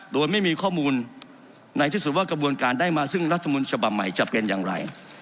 โดยไม่มีข้อมูลในที่สุดว่ากระบวนการได้มาซึ่งรัฐมนต์ฉบับใหม่จะเป็นอย่างไร